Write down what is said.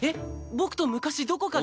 僕と昔どこかで。